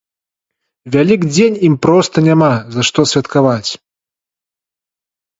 Вялікдзень ім проста няма за што святкаваць.